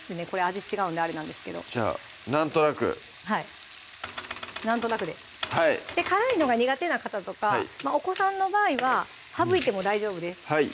味違うんであれなんですけどじゃあなんとなくはいなんとなくで辛いのが苦手な方とかお子さんの場合は省いても大丈夫です